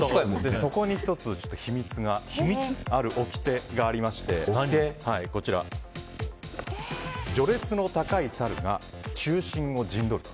そこに１つあるおきてがありまして序列の高いサルが中心を陣取ると。